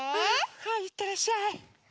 はいいってらっしゃい。